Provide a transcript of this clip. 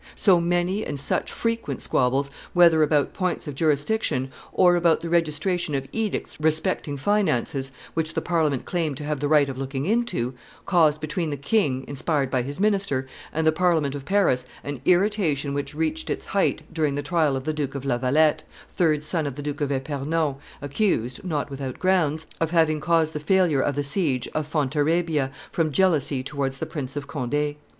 So many and such frequent squabbles, whether about points of jurisdiction or about the registration of edicts respecting finances, which the Parliament claimed to have the right of looking into, caused between the king, inspired by his minister, and the Parliament of Paris an irritation which reached its height during the trial of the Duke of La Valette, third son of the Duke of Epernon, accused, not without grounds, of having caused the failure of the siege of Fontarabia from jealousy towards the Prince of Conde.